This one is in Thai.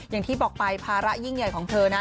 อย่างที่บอกไปภาระยิ่งใหญ่ของเธอนะ